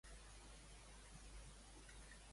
Ser un caguerri.